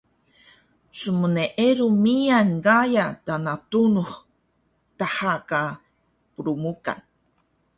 smneeru miyan gaya Tanah Tunux daha ka Plmukan